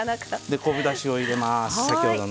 昆布だしを入れます先ほどの。